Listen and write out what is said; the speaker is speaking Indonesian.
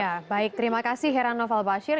ya baik terima kasih herano valbasir